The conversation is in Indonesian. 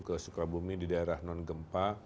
ke sukabumi di daerah non gempa